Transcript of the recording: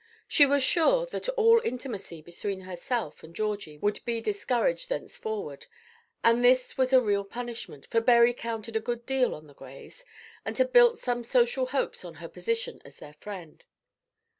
She was sure that all intimacy between herself and Georgie would be discouraged thenceforward; and this was a real punishment, for Berry counted a good deal on the Grays, and had built some social hopes on her position as their friend.